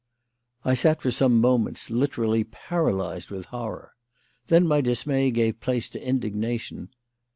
I sat for some moments literally paralysed with horror. Then my dismay gave place to indignation.